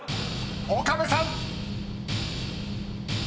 ［岡部さん］